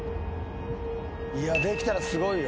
「できたらすごいよ」